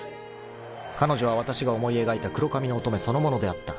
［彼女はわたしが思い描いた黒髪の乙女そのものであった］